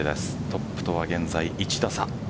トップとは現在１打差。